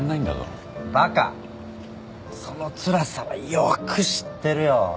そのつらさはよく知ってるよ。